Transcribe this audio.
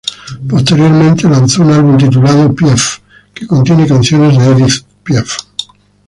Posteriormente, lanzó un álbum titulado Piaf, que contiene canciones Édith Piaf.